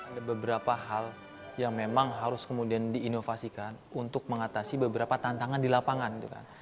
ada beberapa hal yang memang harus kemudian diinovasikan untuk mengatasi beberapa tantangan di lapangan gitu kan